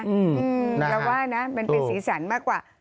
เราว่านะมันเป็นสีสันมากกว่า